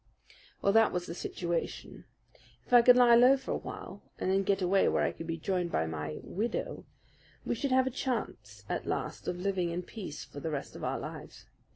"Well, that was the situation. If I could lie low for a while and then get away where I could be joined by my 'widow' we should have a chance at last of living in peace for the rest of our lives.